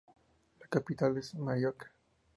La capital es Morioka.